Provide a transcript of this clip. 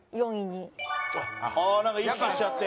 なんか意識しちゃって？